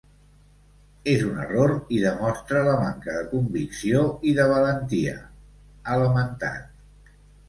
És un error i demostra la manca de convicció i de valentia, ha lamentat.